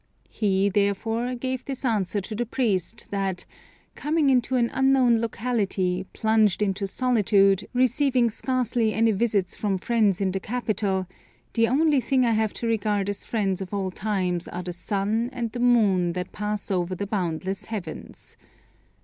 He, therefore, gave this answer to the priest, that "coming into an unknown locality, plunged in solitude, receiving scarcely any visits from friends in the capital, the only thing I have to regard as friends of old times are the sun and the moon that pass over the boundless heavens.